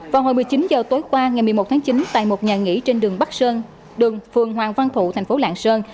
vào hồi một mươi chín h tối qua ngày một mươi một tháng chín tại một nhà nghỉ trên đường bắc sơn đường phường hoàng văn thụ thành phố lạng sơn